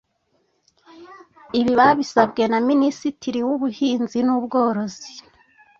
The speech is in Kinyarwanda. Ibi babisabwe na Minisitiri w’Ubuhinzi n’Ubworozi